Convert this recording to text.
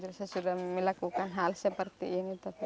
tidak saya sudah melakukan hal seperti ini tapi